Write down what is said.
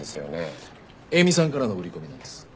詠美さんからの売り込みなんです。